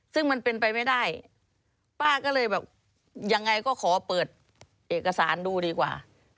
ซึ่งมันเป็นไปไม่ได้ป้าก็เลยแบบยังไงก็ขอเปิดเอกสารดูดีกว่า